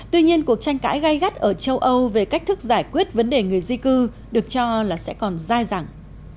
tuy nhiên cuộc tranh cãi gây gắt ở châu âu về cách thức giải quyết vấn đề người di cư được cho là sẽ còn dài dẳng